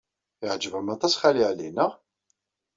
Yeɛjeb-am aṭas Xali Ɛli, naɣ?